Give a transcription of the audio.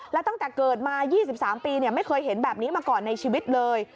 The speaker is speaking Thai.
แล้วตั้งแต่เกิดมา๒๓ปีไม่เคยเห็นแบบนี้มาก่อนในชีวิตเลย